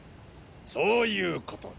そういうことだ。